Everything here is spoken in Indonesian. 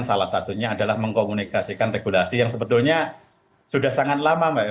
salah satunya adalah mengkomunikasikan regulasi yang sebetulnya sudah sangat lama mbak